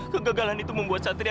kegagalan itu membuat satria